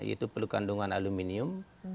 itu perlu kandungan aluminium